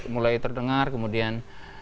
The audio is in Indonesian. mulai terdengar kemudian